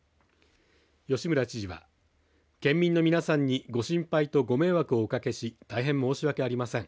吉村知事は県民の皆さんにご心配とご迷惑をおかけし大変申し訳ありません。